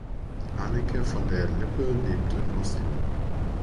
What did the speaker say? Anneke von der Lippe lebt in Oslo.